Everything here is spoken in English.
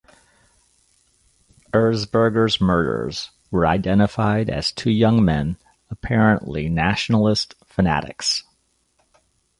Erzberger's murderers were identified as two young men, apparently nationalist fanatics.